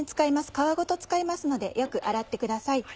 皮ごと使いますのでよく洗ってください。